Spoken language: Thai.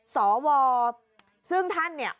สวซึ่งท่านเนี่ย